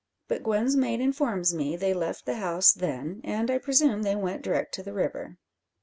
But Gwen's maid informs me they left the house then, and I presume they went direct to the river."